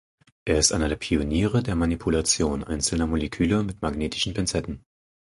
Er ist einer der Pioniere der Manipulation einzelner Moleküle mit magnetischen Pinzetten.